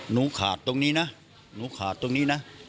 หนูขาดตรงนี้นะหนูขาดตรงนี้นะ